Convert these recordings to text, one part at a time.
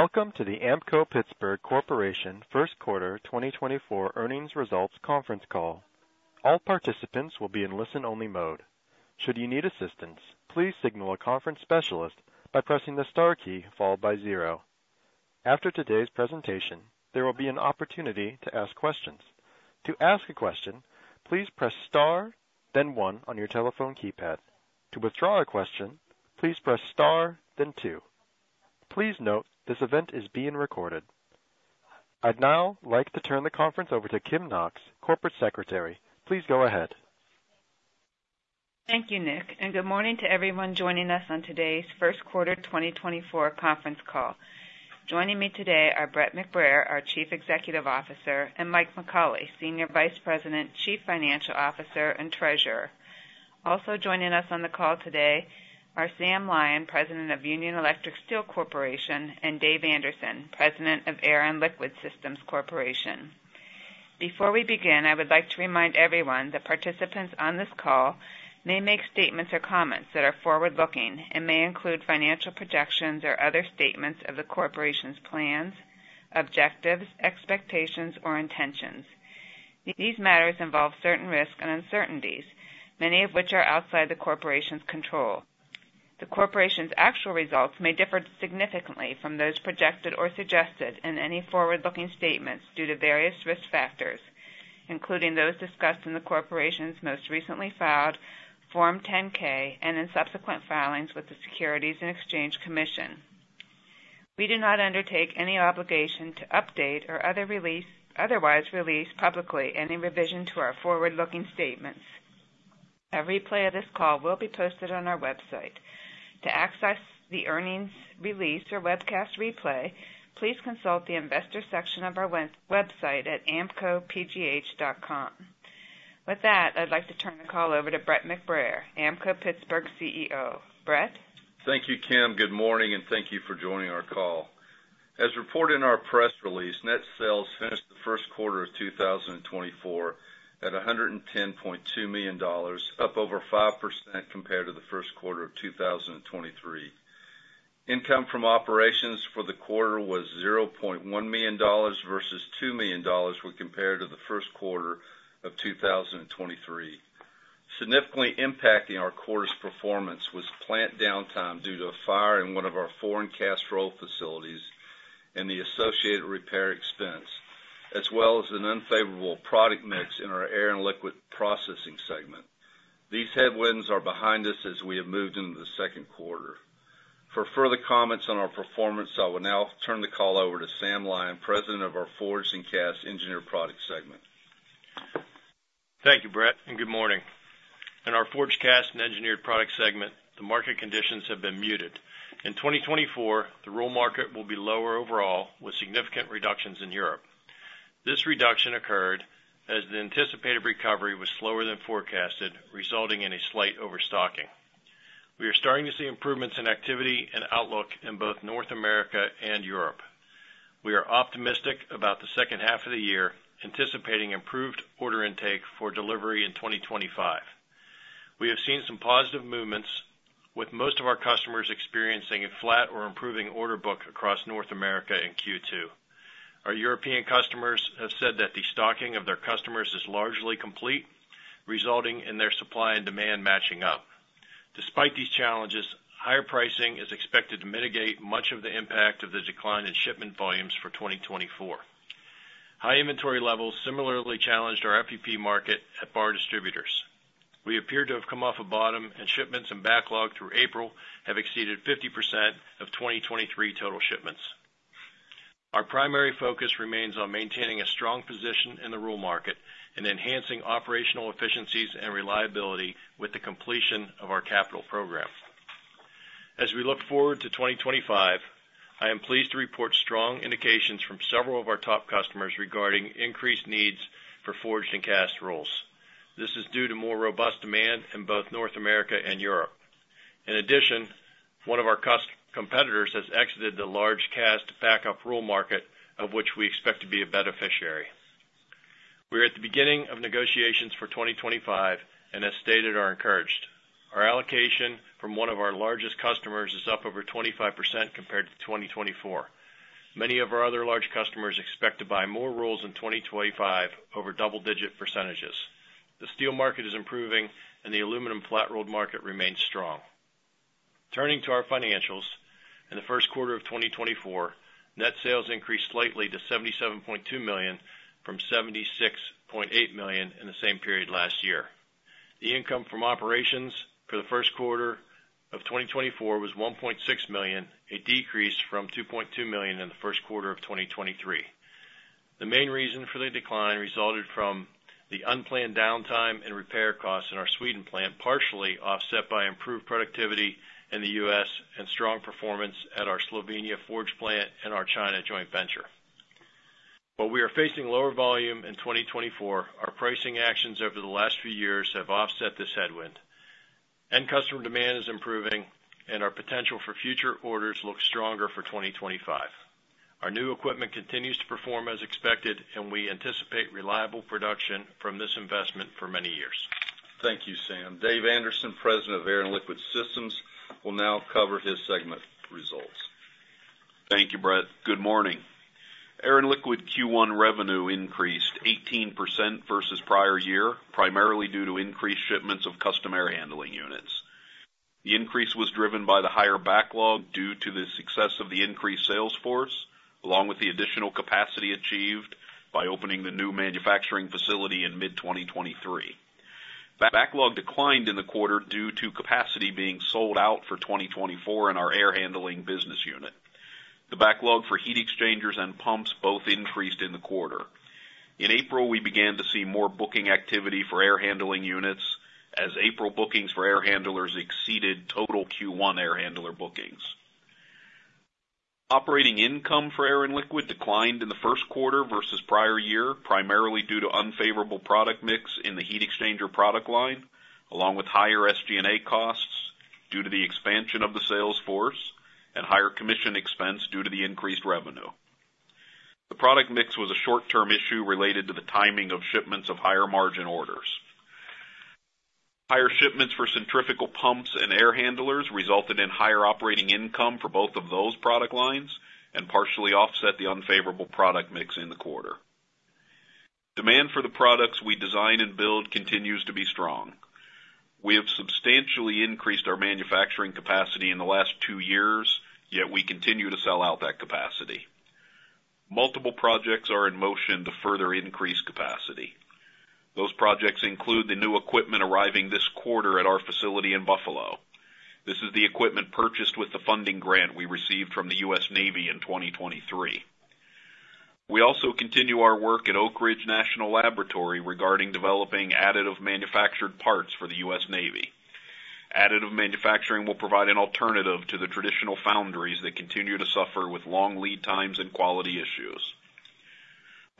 Welcome to the Ampco-Pittsburgh Corporation first quarter 2024 earnings results conference call. All participants will be in listen-only mode. Should you need assistance, please signal a conference specialist by pressing the star key followed by zero. After today's presentation, there will be an opportunity to ask questions. To ask a question, please press star, then one on your telephone keypad. To withdraw a question, please press star, then two. Please note this event is being recorded. I'd now like to turn the conference over to Kim Knox, Corporate Secretary. Please go ahead. Thank you, Nick, and good morning to everyone joining us on today's first quarter 2024 conference Call. Joining me today are Brett McBrayer, our Chief Executive Officer, and Mike McAuley, Senior Vice President, Chief Financial Officer, and Treasurer. Also joining us on the call today are Sam Lyon, President of Union Electric Steel Corporation, and Dave Anderson, President of Air and Liquid Systems Corporation. Before we begin, I would like to remind everyone that participants on this call may make statements or comments that are forward-looking and may include financial projections or other statements of the corporation's plans, objectives, expectations, or intentions. These matters involve certain risks and uncertainties, many of which are outside the corporation's control. The corporation's actual results may differ significantly from those projected or suggested in any forward-looking statements due to various risk factors, including those discussed in the corporation's most recently filed Form 10-K and in subsequent filings with the Securities and Exchange Commission. We do not undertake any obligation to update or otherwise release publicly any revision to our forward-looking statements. A replay of this call will be posted on our website. To access the earnings release or webcast replay, please consult the Investor section of our website at ampcopgh.com. With that, I'd like to turn the call over to Brett McBrayer, Ampco-Pittsburgh CEO. Brett? Thank you, Kim. Good morning, and thank you for joining our call. As reported in our press release, Net Sales finished the first quarter of 2024 at $110.2 million, up over 5% compared to the first quarter of 2023. Income from operations for the quarter was $0.1 million versus $2 million when compared to the first quarter of 2023. Significantly impacting our quarter's performance was plant downtime due to a fire in one of our foreign cast roll facilities and the associated repair expense, as well as an unfavorable product mix in our Air and Liquid Systems segment. These headwinds are behind us as we have moved into the second quarter. For further comments on our performance, I will now turn the call over to Sam Lyon, President of our Forged and Cast Rolls segment. Thank you, Brett, and good morning. In our Forged and Cast Engineered Products segment, the market conditions have been muted. In 2024, the roll market will be lower overall with significant reductions in Europe. This reduction occurred as the anticipated recovery was slower than forecasted, resulting in a slight overstocking. We are starting to see improvements in activity and outlook in both North America and Europe. We are optimistic about the second half of the year, anticipating improved order intake for delivery in 2025. We have seen some positive movements, with most of our customers experiencing a flat or improving order book across North America in Q2. Our European customers have said that the stocking of their customers is largely complete, resulting in their supply and demand matching up. Despite these challenges, higher pricing is expected to mitigate much of the impact of the decline in shipment volumes for 2024. High inventory levels similarly challenged our FEP market at bar distributors. We appear to have come off a bottom, and shipments in backlog through April have exceeded 50% of 2023 total shipments. Our primary focus remains on maintaining a strong position in the roll market and enhancing operational efficiencies and reliability with the completion of our capital program. As we look forward to 2025, I am pleased to report strong indications from several of our top customers regarding increased needs for forged and cast rolls. This is due to more robust demand in both North America and Europe. In addition, one of our competitors has exited the large cast backup roll market, of which we expect to be a beneficiary. We are at the beginning of negotiations for 2025 and, as stated, are encouraged. Our allocation from one of our largest customers is up over 25% compared to 2024. Many of our other large customers expect to buy more rolls in 2025 over double-digit percentages. The steel market is improving, and the aluminum flat-rolled market remains strong. Turning to our financials, in the first quarter of 2024, Net Sales increased slightly to $77.2 million from $76.8 million in the same period last year. The Income from operations for the first quarter of 2024 was $1.6 million, a decrease from $2.2 million in the first quarter of 2023. The main reason for the decline resulted from the unplanned downtime and repair costs in our Sweden plant, partially offset by improved productivity in the U.S. and strong performance at our Slovenia forge plant and our China joint venture. While we are facing lower volume in 2024, our pricing actions over the last few years have offset this headwind. End customer demand is improving, and our potential for future orders looks stronger for 2025. Our new equipment continues to perform as expected, and we anticipate reliable production from this investment for many years. Thank you, Sam. Dave Anderson, President of Air and Liquid Systems, will now cover his segment results. Thank you, Brett. Good morning. Air and Liquid Q1 revenue increased 18% versus prior year, primarily due to increased shipments of custom air handling units. The increase was driven by the higher backlog due to the success of the increased sales force, along with the additional capacity achieved by opening the new manufacturing facility in mid-2023. Backlog declined in the quarter due to capacity being sold out for 2024 in our air handling business unit. The backlog for heat exchangers and pumps both increased in the quarter. In April, we began to see more booking activity for air handling units as April bookings for air handlers exceeded total Q1 air handler bookings. Operating income for Air and Liquid declined in the first quarter versus prior year, primarily due to unfavorable product mix in the heat exchanger product line, along with higher SG&A costs due to the expansion of the sales force and higher commission expense due to the increased revenue. The product mix was a short-term issue related to the timing of shipments of higher margin orders. Higher shipments for centrifugal pumps and air handlers resulted in higher operating income for both of those product lines and partially offset the unfavorable product mix in the quarter. Demand for the products we design and build continues to be strong. We have substantially increased our manufacturing capacity in the last two years, yet we continue to sell out that capacity. Multiple projects are in motion to further increase capacity. Those projects include the new equipment arriving this quarter at our facility in Buffalo. This is the equipment purchased with the funding grant we received from the U.S. Navy in 2023. We also continue our work at Oak Ridge National Laboratory regarding developing additive manufactured parts for the U.S. Navy. Additive manufacturing will provide an alternative to the traditional foundries that continue to suffer with long lead times and quality issues.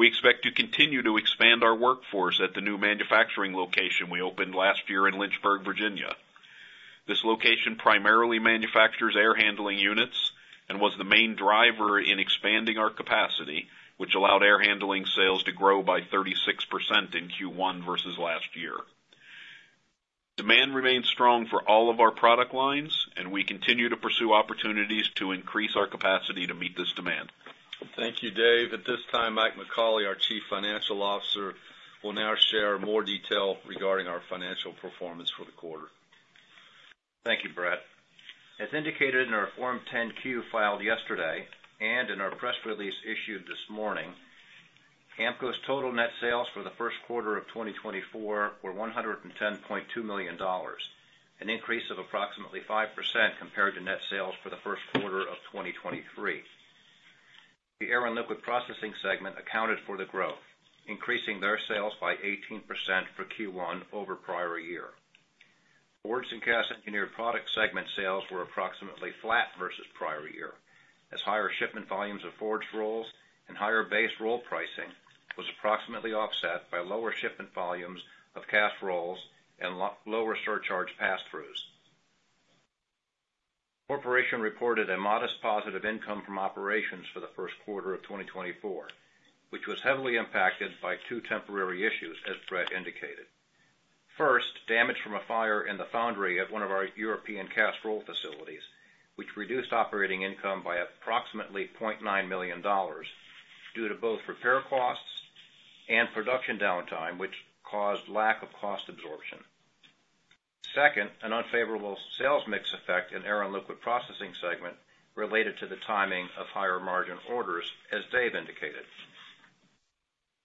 We expect to continue to expand our workforce at the new manufacturing location we opened last year in Lynchburg, Virginia. This location primarily manufactures air handling units and was the main driver in expanding our capacity, which allowed air handling sales to grow by 36% in Q1 versus last year. Demand remains strong for all of our product lines, and we continue to pursue opportunities to increase our capacity to meet this demand. Thank you, Dave. At this time, Mike McAuley, our Chief Financial Officer, will now share more detail regarding our financial performance for the quarter. Thank you, Brett. As indicated in our Form 10-Q filed yesterday and in our press release issued this morning, Ampco's total net sales for the first quarter of 2024 were $110.2 million, an increase of approximately 5% compared to net sales for the first quarter of 2023. The Air and Liquid Processing segment accounted for the growth, increasing their sales by 18% for Q1 over prior year. Forged and Cast Engineered Product segment sales were approximately flat versus prior year, as higher shipment volumes of forged rolls and higher base roll pricing was approximately offset by lower shipment volumes of cast rolls and lower surcharge pass-throughs. Corporation reported a modest positive income from operations for the first quarter of 2024, which was heavily impacted by two temporary issues, as Brett indicated. First, damage from a fire in the foundry at one of our European cast roll facilities, which reduced operating income by approximately $0.9 million due to both repair costs and production downtime, which caused lack of cost absorption. Second, an unfavorable sales mix effect in Air and Liquid Systems segment related to the timing of higher margin orders, as Dave indicated.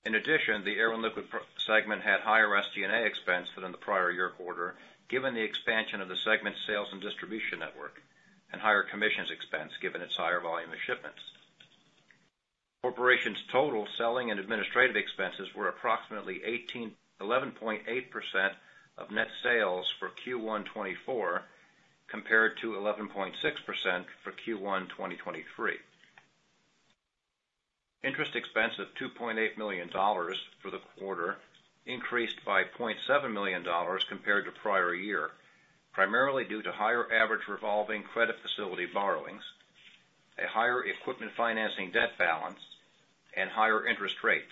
In addition, the Air and Liquid Systems segment had higher SG&A expense than in the prior year quarter, given the expansion of the segment's sales and distribution network and higher commissions expense given its higher volume of shipments. Corporation's total selling and administrative expenses were approximately 11.8% of net sales for Q1 2024 compared to 11.6% for Q1 2023. Interest expense of $2.8 million for the quarter increased by $0.7 million compared to prior year, primarily due to higher average revolving credit facility borrowings, a higher equipment financing debt balance, and higher interest rates.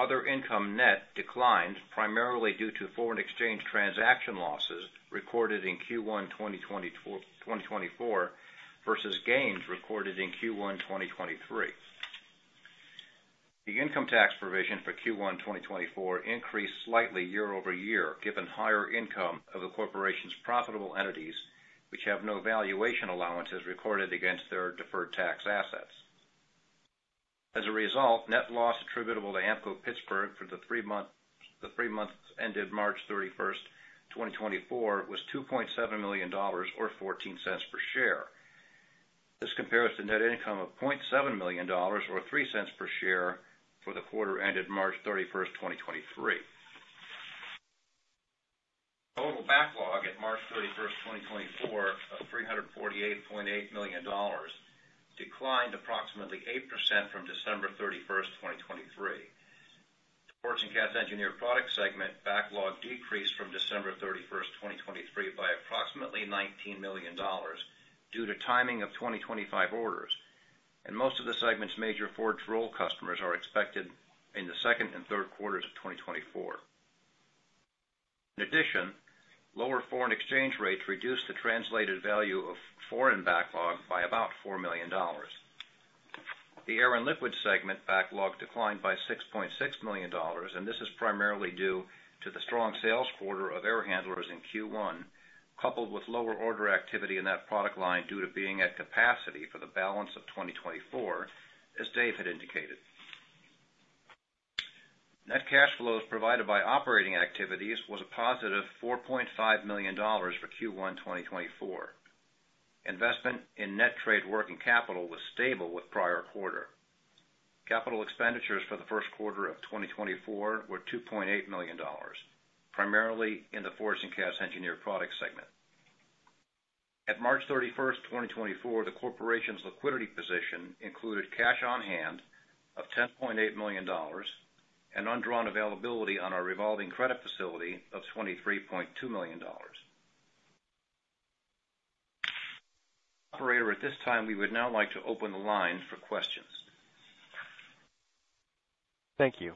Other income net declined primarily due to foreign exchange transaction losses recorded in Q1 2024 versus gains recorded in Q1 2023. The income tax provision for Q1 2024 increased slightly year-over-year given higher income of the corporation's profitable entities, which have no valuation allowances recorded against their deferred tax assets. As a result, net loss attributable to Ampco-Pittsburgh for the three-month ended March 31, 2024, was $2.7 million or $0.14 per share. This compares to net income of $0.7 million or $0.03 per share for the quarter ended March 31, 2023. Total backlog at March 31, 2024, of $348.8 million declined approximately 8% from December 31, 2023. The Forged and Cast Engineered Product segment backlog decreased from December 31, 2023, by approximately $19 million due to timing of 2025 orders, and most of the segment's major forged roll customers are expected in the second and third quarters of 2024. In addition, lower foreign exchange rates reduced the translated value of foreign backlog by about $4 million. The Air and Liquid segment backlog declined by $6.6 million, and this is primarily due to the strong sales quarter of air handlers in Q1, coupled with lower order activity in that product line due to being at capacity for the balance of 2024, as Dave had indicated. Net cash flows provided by operating activities were a positive $4.5 million for Q1 2024. Investment in net trade working capital was stable with prior quarter. Capital expenditures for the first quarter of 2024 were $2.8 million, primarily in the Forged and Cast Engineered Products segment. At March 31, 2024, the corporation's liquidity position included cash on hand of $10.8 million and undrawn availability on our revolving credit facility of $23.2 million. Operator, at this time, we would now like to open the line for questions. Thank you.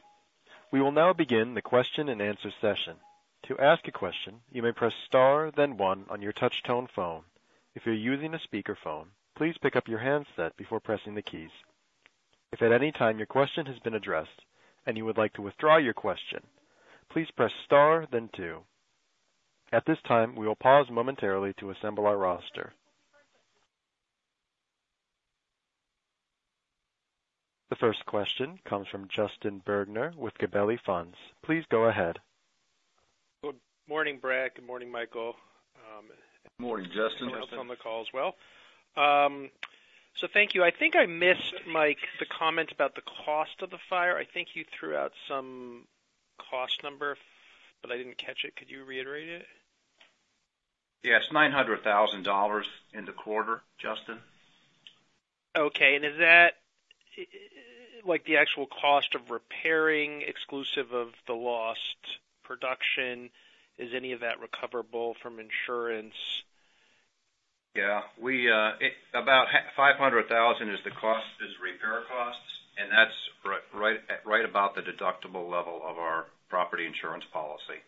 We will now begin the question-and-answer session. To ask a question, you may press star, then one, on your touch-tone phone. If you're using a speakerphone, please pick up your handset before pressing the keys. If at any time your question has been addressed and you would like to withdraw your question, please press star, then two. At this time, we will pause momentarily to assemble our roster. The first question comes from Justin Bergner with Gabelli Funds. Please go ahead. Good morning, Brett. Good morning, Michael. Good morning, Justin. Welcome on the call as well. So thank you. I think I missed, Mike, the comment about the cost of the fire. I think you threw out some cost number, but I didn't catch it. Could you reiterate it? Yes, $900,000 in the quarter, Justin. Okay. Is that the actual cost of repairing, exclusive of the lost production? Is any of that recoverable from insurance? Yeah. About $500,000 is the repair costs, and that's right about the deductible level of our property insurance policy.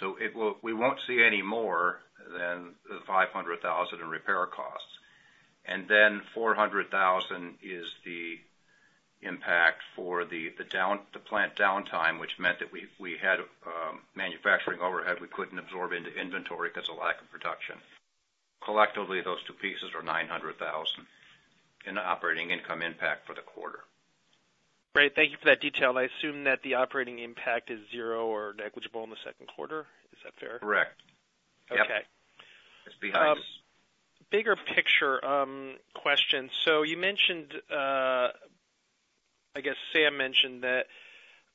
So we won't see any more than the $500,000 in repair costs. And then $400,000 is the impact for the plant downtime, which meant that we had manufacturing overhead we couldn't absorb into inventory because of lack of production. Collectively, those two pieces are $900,000 in operating income impact for the quarter. Great. Thank you for that detail. I assume that the operating impact is zero or negligible in the second quarter. Is that fair? Correct. It's behind us. Bigger picture question. So you mentioned I guess Sam mentioned that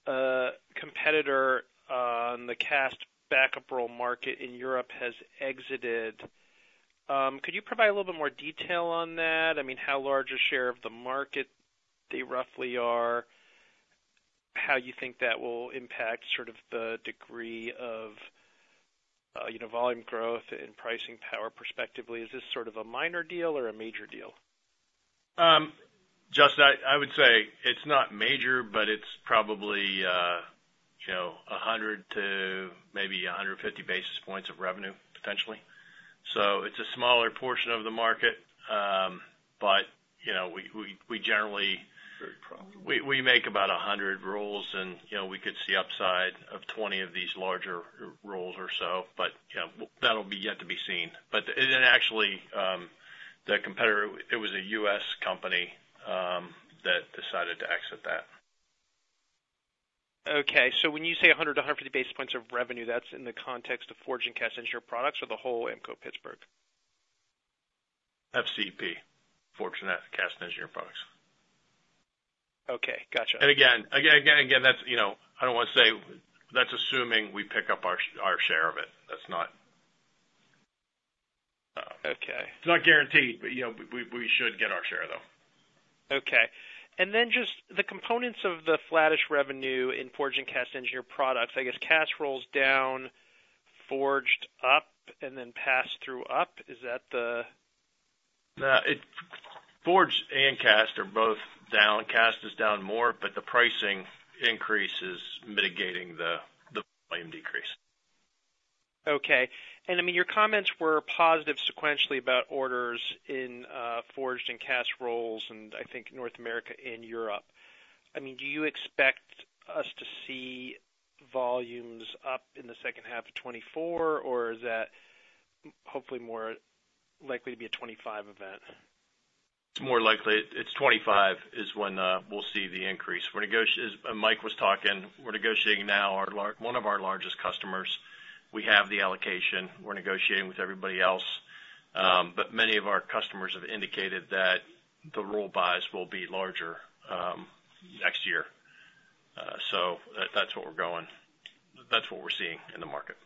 a competitor on the cast backup roll market in Europe has exited. Could you provide a little bit more detail on that? I mean, how large a share of the market they roughly are, how you think that will impact sort of the degree of volume growth and pricing power prospectively? Is this sort of a minor deal or a major deal? Justin, I would say it's not major, but it's probably 100 to maybe 150 basis points of revenue, potentially. So it's a smaller portion of the market, but we generally. Very profitable. We make about 100 rolls, and we could see upside of 20 of these larger rolls or so, but that'll be yet to be seen. But then actually, the competitor, it was a U.S. company that decided to exit that. Okay. So when you say 100-150 basis points of revenue, that's in the context of Forged and Cast Engineered Products or the whole Ampco-Pittsburgh? FCP, Forged and Cast Engineered Products. Okay. Gotcha. And that's, I don't want to say, that's assuming we pick up our share of it. It's not guaranteed, but we should get our share, though. Okay. And then just the components of the flattish revenue in Forged and Cast Engineered Products, I guess cast rolls down, forged up, and then passed through up. Is that the? Forged and cast are both down. Cast is down more, but the pricing increase is mitigating the volume decrease. Okay. And I mean, your comments were positive sequentially about orders in forged and cast rolls and I think North America and Europe. I mean, do you expect us to see volumes up in the second half of 2024, or is that hopefully more likely to be a 2025 event? It's more likely it's 2025 is when we'll see the increase. Mike was talking we're negotiating now one of our largest customers. We have the allocation. We're negotiating with everybody else, but many of our customers have indicated that the roll buys will be larger next year. So that's what we're going. That's what we're seeing in the market.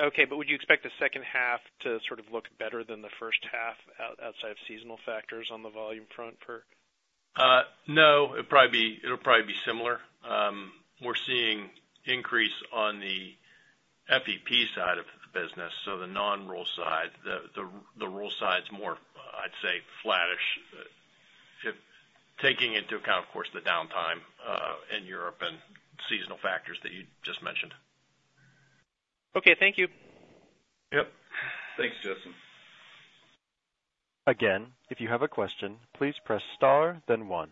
Okay. But would you expect the second half to sort of look better than the first half outside of seasonal factors on the volume front for? No. It'll probably be similar. We're seeing increase on the FEP side of the business, so the non-roll side. The roll side's more, I'd say, flattish, taking into account, of course, the downtime in Europe and seasonal factors that you just mentioned. Okay. Thank you. Yep. Thanks, Justin. Again, if you have a question, please press star, then one.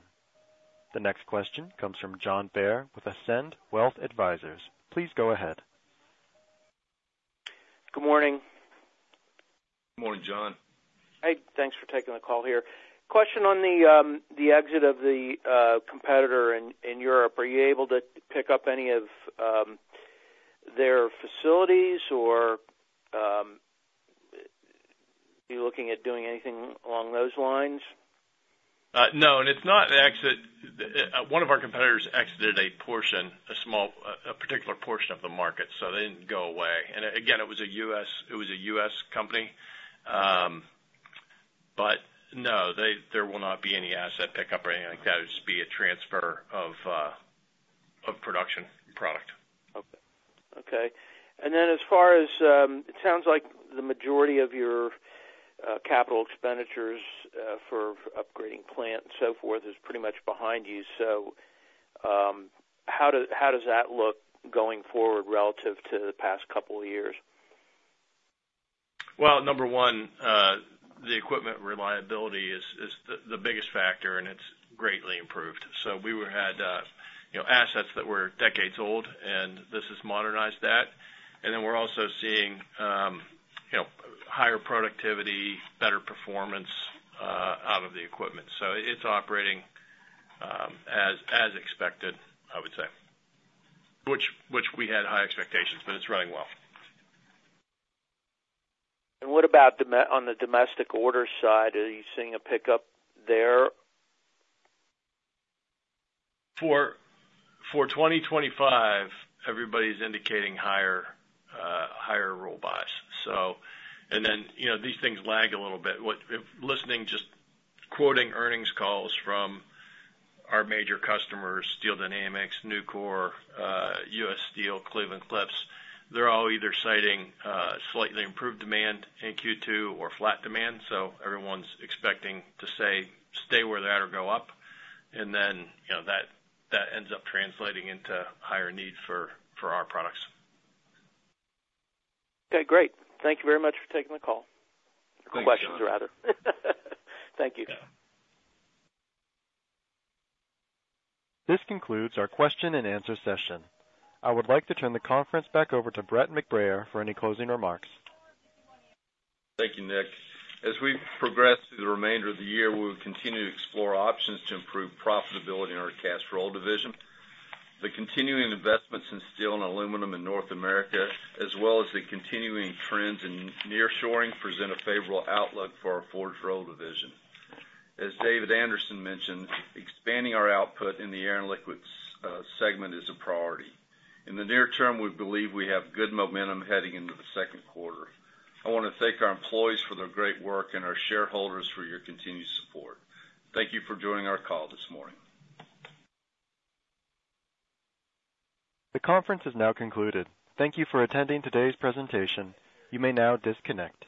The next question comes from John Bair with Ascend Wealth Advisors. Please go ahead. Good morning. Good morning, John. Hey. Thanks for taking the call here. Question on the exit of the competitor in Europe. Are you able to pick up any of their facilities, or are you looking at doing anything along those lines? No. And it's not the exit. One of our competitors exited a portion, a particular portion of the market, so they didn't go away. And again, it was a U.S. company, but no, there will not be any asset pickup or anything like that. It'll just be a transfer of production product. Okay. Okay. And then as far as it sounds like the majority of your capital expenditures for upgrading plant and so forth is pretty much behind you. So how does that look going forward relative to the past couple of years? Well, number one, the equipment reliability is the biggest factor, and it's greatly improved. So we had assets that were decades old, and this has modernized that. And then we're also seeing higher productivity, better performance out of the equipment. So it's operating as expected, I would say, which we had high expectations, but it's running well. What about on the domestic order side? Are you seeing a pickup there? For 2025, everybody's indicating higher roll buys. Then these things lag a little bit. Listening, just quoting earnings calls from our major customers, Steel Dynamics, Nucor, U.S. Steel, Cleveland-Cliffs, they're all either citing slightly improved demand in Q2 or flat demand. Everyone's expecting to say, "Stay where they're at or go up." Then that ends up translating into higher need for our products. Okay. Great. Thank you very much for taking the call. Questions, rather. Thank you. This concludes our question-and-answer session. I would like to turn the conference back over to Brett McBrayer for any closing remarks. Thank you, Nick. As we progress through the remainder of the year, we will continue to explore options to improve profitability in our cast roll division. The continuing investments in steel and aluminum in North America, as well as the continuing trends in nearshoring, present a favorable outlook for our forged roll division. As Mike McAuley mentioned, expanding our output in the Air and Liquid Systems segment is a priority. In the near term, we believe we have good momentum heading into the second quarter. I want to thank our employees for their great work and our shareholders for your continued support. Thank you for joining our call this morning. The conference has now concluded. Thank you for attending today's presentation. You may now disconnect.